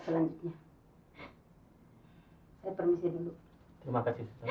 selanjutnya hai permisi dulu terima kasih terima kasih